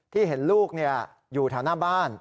ที่เห็นลูกอยู่แถวหน้าบ้าน